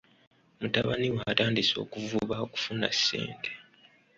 Mutabani we atandise okuvuba okufuna ssente.